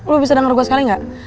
lo bisa denger gue sekali gak